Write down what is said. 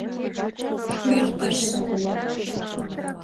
Пеш строго жап ыле.